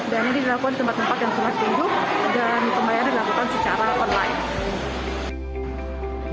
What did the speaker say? dan ini dilakukan di tempat tempat yang selesai hidup dan kembali ada dilakukan secara online